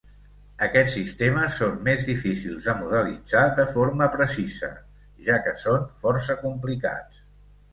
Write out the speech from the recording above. Aquests sistemes són més difícils de modelitzar de forma precisa, ja que són força complicats.